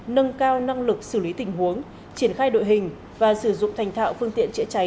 nâng cao năng lực xử lý tình huống triển khai đội hình và sử dụng thành thạo phương tiện chữa cháy